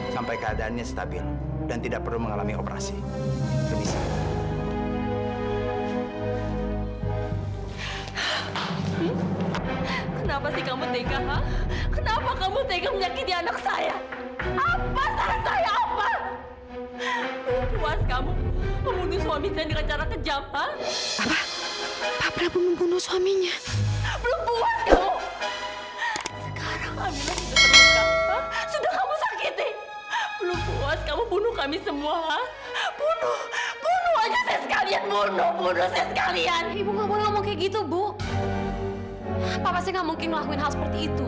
papa saya gak mungkin ngelakuin hal seperti itu